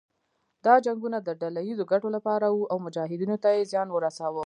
دا جنګونه د ډله ييزو ګټو لپاره وو او مجاهدینو ته يې زیان ورساوه.